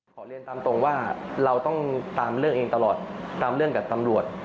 ขอเรียนตามตรงว่าเราต้องตามเรื่องเองตลอดตามเรื่องกับตำรวจ